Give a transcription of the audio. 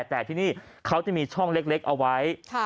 แต่ที่นี่เขาจะมีช่องเล็กเอาไว้